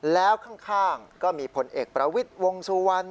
แล้วข้างก็มีผลเอกประวิทย์วงสุวรรณ